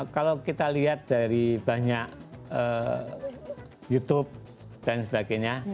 kalau kita lihat dari banyak youtube dan sebagainya